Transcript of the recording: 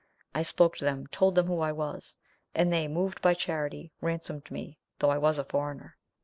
I spoke to them, told them who I was, and they, moved by charity, ransomed me, though I was a foreigner.